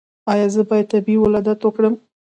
ایا زه باید طبیعي ولادت وکړم؟